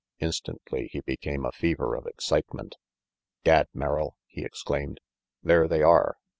Instantly he became a fever of excitement. "Gad, Merrill!" he exclaimed, "there they are.